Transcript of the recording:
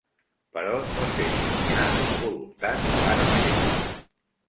Però no sé si n’hi ha la voluntat, ara mateix.